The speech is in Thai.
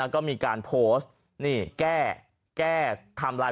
ก็มีการโพสต์นี่แก้ไทม์ไลน์